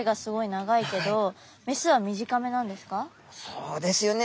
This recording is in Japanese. そうですよね。